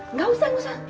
nggak usah nggak usah